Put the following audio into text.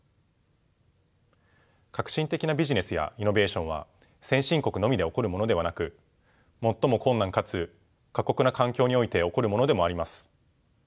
革新的なビジネスやイノベーションは先進国のみで起こるものではなく最も困難かつ過酷な環境において起こるものでもあります。